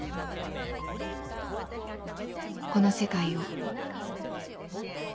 この世界を